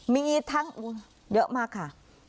มีทั้งเยอะมากค่ะ